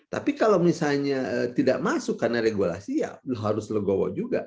tapi kalau misalnya tidak masuk karena regulasi ya harus legowo juga